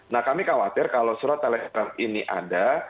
nah kami khawatir kalau surat telegram ini ada